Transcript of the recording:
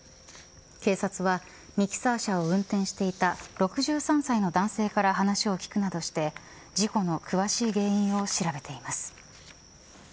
警察はミキサー車を運転していた６３歳の男性から話を聞くなどして事故の詳しい原因を調べています。